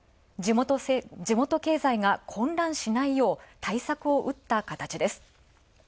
地元経済が混乱しないよう、対策を打った形です。